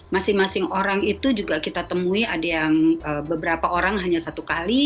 masing masing orang itu juga kita temui ada yang beberapa orang hanya satu kali